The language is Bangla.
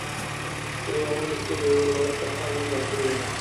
এই মহাপুরুষকে যেভাবেই লও, তাহা আমি গ্রাহ্য করি না।